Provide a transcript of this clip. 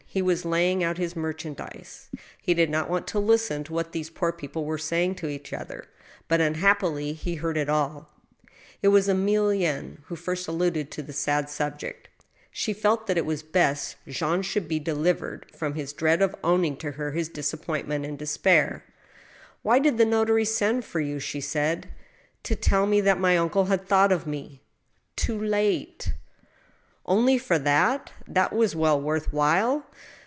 He was laying out his merchandise. He did not want to listen to what these poor people were saying to each other, but unhappily he heard it all. It was Emilienne who first alluded to the sad subject. She felt that it was best Jean should be delivered from his dread of owning to her his disappointment and despair. " Why did the notary send for you ?" she said. " To tell me that my uncle had thought of me ... too late !" "Only for that? That was well worth while!